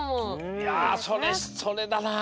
いやそれそれだな。